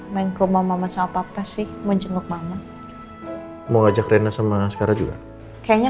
main ke rumah sama papa sih mau jenguk mama mau ajak riana sama sekarang juga kayaknya